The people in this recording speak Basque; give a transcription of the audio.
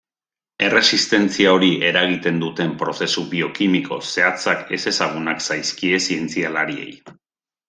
Erresistentzia hori eragiten duten prozesu biokimiko zehatzak ezezagunak zaizkie zientzialariei.